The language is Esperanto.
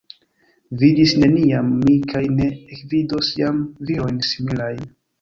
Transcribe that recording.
Vidis neniam mi kaj ne ekvidos jam virojn similajn.